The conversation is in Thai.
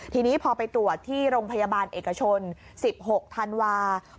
ทีนี้พอไปตรวจที่โรงพยาบาลเอกชน๑๖ธันวาคม